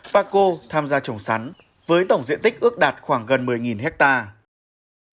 bà cô tham gia trồng sắn với tổng diện tích ước đạt khoảng gần một mươi hectare